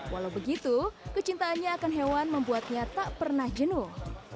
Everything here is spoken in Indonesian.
walau begitu kecintaannya akan hewan membuatnya tak pernah jenuh